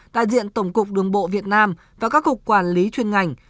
đại diện tổng cục đường bộ việt nam và các cục quản lý chuyên ngành